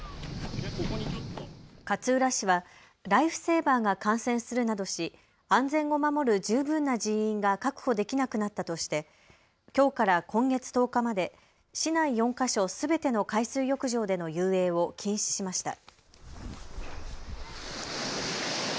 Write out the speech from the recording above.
勝浦市はライフセーバーが感染するなどし安全を守る十分な人員が確保できなくなったとしてきょうから今月１０日まで市内４か所すべての海水浴場での遊泳を禁止しました。